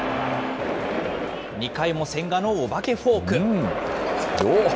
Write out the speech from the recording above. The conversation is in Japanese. ２回も千賀のお化けフォーク。